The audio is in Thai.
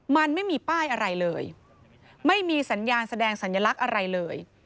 มันไม่มีป้ายอะไรเลยไม่มีสัญญาณแสดงสัญลักษณ์อะไรเลย